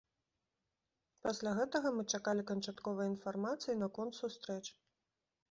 Пасля гэтага мы чакалі канчатковай інфармацыі наконт сустрэч.